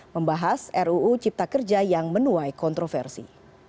membahas ruu cipta kerja yang menuai kontroversi